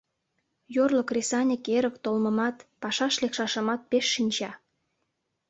Йорло кресаньык эрык толмымат, пашаш лекшашымат пеш шинча.